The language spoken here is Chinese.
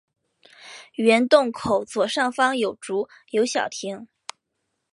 原洞口左上方有竹有小亭。